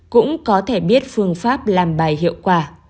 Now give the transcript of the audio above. cũng có thể biết phương pháp làm bài hiệu quả